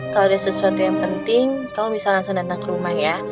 kalau ada sesuatu yang penting kamu bisa langsung datang ke rumah ya